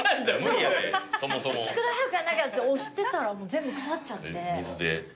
宿題早くやんなきゃって押してたら全部腐っちゃって。